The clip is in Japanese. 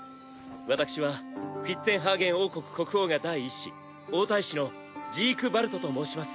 私はフィッツェンハーゲン王国国王が第一子王太子のジークヴァルトと申します。